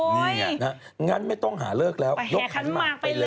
นี่แหละงั้นไม่ต้องหาเลิกแล้วลดขันมากไปเลยไปแห่ขันมากไปเลย